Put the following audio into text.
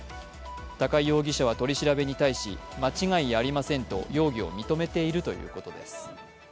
高井容疑者は取り調べに対し、間違いありませんと容疑を認めているということです。